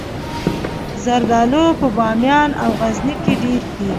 زردالو په بامیان او غزني کې ډیر کیږي